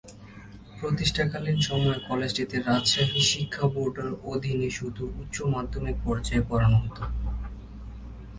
প্রতিষ্ঠাকালীন সময়ে কলেজটিতে রাজশাহী শিক্ষা বোর্ডের অধীনে শুধু উচ্চ মাধ্যমিক পর্যায়ে পড়ানো হতো।